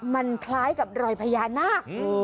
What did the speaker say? มันคล้ายกับรอยพญานาค